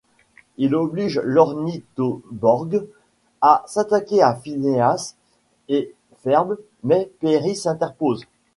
Il oblige l'ornythoborgue à s'attaquer à Phinéas et ferb, mais Perry s'interpose.